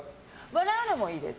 笑うのもいいです。